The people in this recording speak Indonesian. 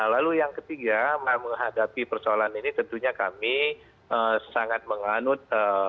lalu yang ketiga menghadapi persoalan ini tentunya kami sangat menganut